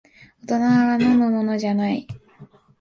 大人が飲むものじゃない